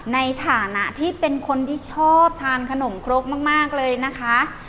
ในฐานะที่เป็นคนที่ชอบทานขนมครกมากเลยนะคะ